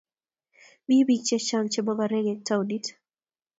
Mi bik chechang chemogorik eng townit.